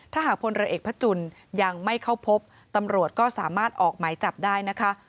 ถ้าหากพลเรือเอกพระจุลยังไม่เข้าพบตำรวจก็สามารถออกหมายจับได้นะคะ